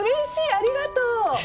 ありがとう！